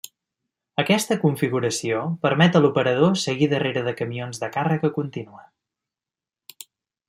Aquesta configuració permet a l'operador seguir darrere de camions de càrrega contínua.